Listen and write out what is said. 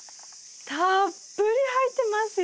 たっぷり入ってますよ！